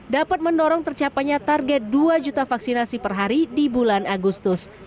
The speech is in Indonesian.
dapat mendorong tercapainya target dua juta vaksinasi per hari di bulan agustus